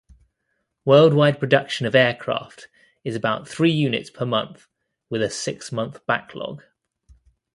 Worldwide production of aircraft is about three units per month with a six-month backlog.